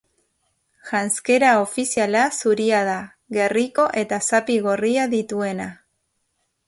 Janzkera ofiziala zuria da, gerriko eta zapi gorria dituena.